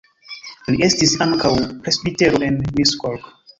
Li estis ankaŭ presbitero en Miskolc.